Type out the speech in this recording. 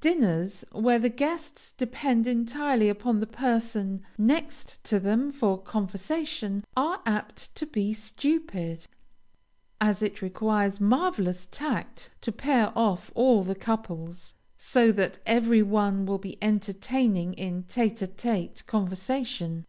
Dinners where the guests depend entirely upon the person next them for conversation, are apt to be stupid, as it requires marvelous tact to pair off all the couples, so that every one will be entertaining in tête à tête conversation.